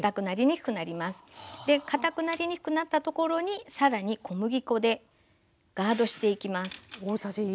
で堅くなりにくくなったところに更に小麦粉でガードしていきます。